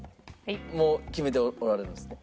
もう決めておられるんですね？